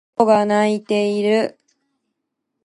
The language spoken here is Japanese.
猫が鳴いている